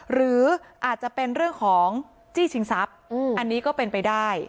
หรืออาจจะเป็นเรื่องของจี้ชิงทรัพย์อันนี้ก็เป็นไปได้